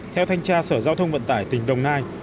theo thanh tra sở giao thông vận tải tỉnh đồng nai